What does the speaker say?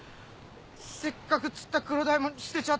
せっかく釣ったクロダイも捨てちゃってさ。